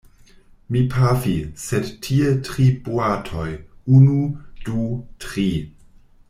Mi pafi, sed tie tri boatoj, unu, du, tri!